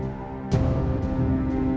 jangan sama sama banget deh